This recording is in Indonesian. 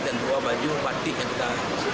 dan dua baju patik yang kita